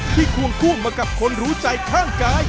ควงคู่มากับคนรู้ใจข้างกาย